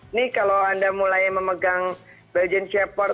ini kalau anda mulai memegang belgian shepherd